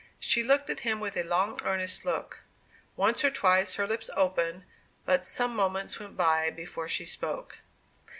She looked at him with a long earnest look; once or twice her lips opened, but some moments went by before she spoke.